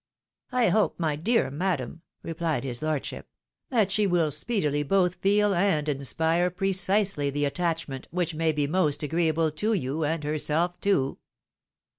" I hope, my dear madam," replied his lordship, " that she will speedily both feel and inspire precisely the attachment which may be most agreeable to you, and herself too."